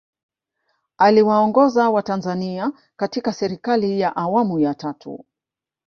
Aliwaongoza watanzania katika Serikali ya Awamu ya Tatu